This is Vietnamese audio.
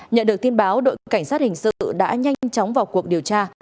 nhận được tin báo đội cảnh sát hình sự đã nhanh chóng vào cuộc điều tra